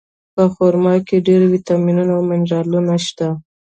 په خرما کې ډېر ویټامینونه او منرالونه شته.